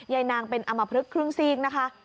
ยายนางเป็นอมพลึกครึ่งซีกนะคะ